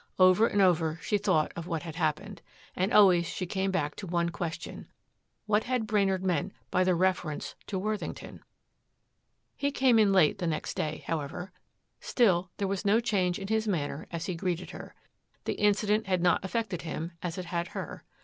Over and over she thought of what had happened. And always she came back to one question. What had Brainard meant by that reference to Worthington? He came in late the next day, however. Still, there was no change in his manner as he greeted her. The incident had not affected him, as it had her.